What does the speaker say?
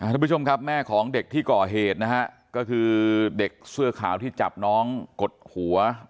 ทุกผู้ชมครับแม่ของเด็กที่ก่อเหตุนะฮะก็คือเด็กเสื้อขาวที่จับน้องกดหัว